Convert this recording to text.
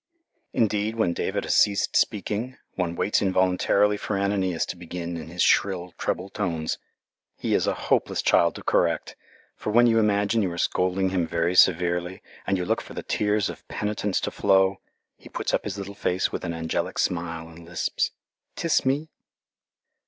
Indeed, when David has ceased speaking, one waits involuntarily for Ananias to begin in his shrill treble tones. He is a hopeless child to correct, for when you imagine you are scolding him very severely, and you look for the tears of penitence to flow, he puts up his little face with an angelic smile, and lisps, "Tiss me."